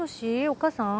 お母さん？